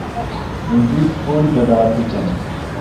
ہندو تھوڑی تعداد بچ ہن۔